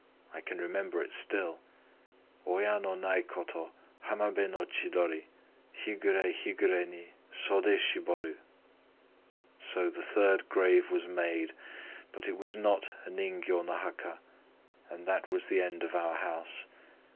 I can remember it still:— Oya no nai ko to Hamabé no chidori: Higuré higuré ni Sodé shiboru. "So the third grave was made,—but it was not a ningyô no haka;—and that was the end of our house.